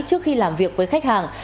trước khi làm việc với khách hàng